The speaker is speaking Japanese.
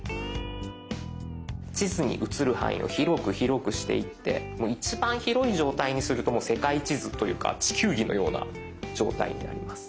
地図に映る範囲を広く広くしていってもう一番広い状態にするともう世界地図というか地球儀のような状態になります。